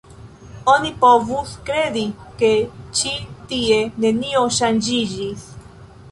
Oni povus kredi, ke ĉi tie nenio ŝanĝiĝis.